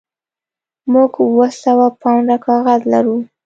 موږ اوه سوه پونډه کاغذ لرو